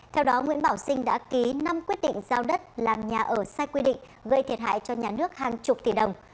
theo đó nguyễn bảo sinh đã ký năm quyết định giao đất làm nhà ở sai quy định gây thiệt hại cho nhà nước hàng chục tỷ đồng